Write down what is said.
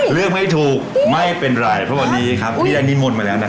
เลือกไม่ถูกไม่เป็นไรเพราะวันนี้ครับอันนี้หมดมาแล้วนะ